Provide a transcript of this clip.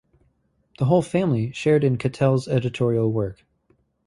The whole family shared in Cattell's editorial work.